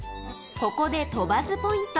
ここで鳥羽ズポイント。